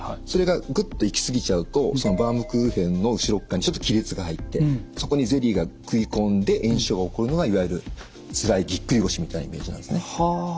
それがグッと行き過ぎちゃうとそのバームクーヘンの後ろ側にちょっと亀裂が入ってそこにゼリーが食い込んで炎症が起こるのがいわゆるつらいぎっくり腰みたいなイメージなんですね。